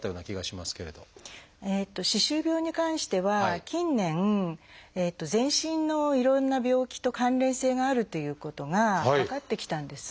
歯周病に関しては近年全身のいろんな病気と関連性があるということが分かってきたんです。